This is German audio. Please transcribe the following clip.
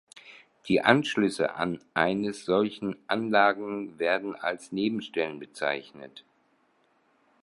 Die Anschlüsse an eines solchen Anlagen werden als Nebenstellen bezeichnet.